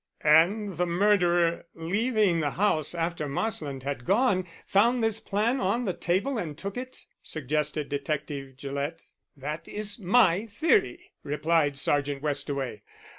"And the murderer, leaving the house after Marsland had gone, found this plan on the table and took it?" suggested Detective Gillett. "That is my theory," replied Sergeant Westaway.